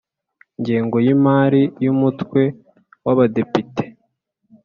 ngengo y’imari y’Umutwe w Abadepite .